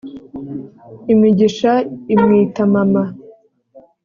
imigisha imwita mama